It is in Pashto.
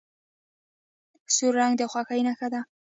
سور رنګ د خوښۍ نښه ده.